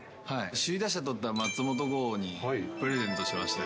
首位打者取った松本剛にプレゼントしましたよ。